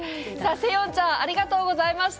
セヨンちゃん、ありがとうございました。